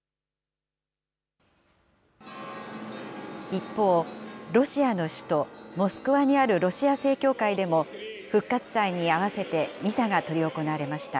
一方、ロシアの首都モスクワにあるロシア正教会でも、復活祭に合わせてミサが執り行われました。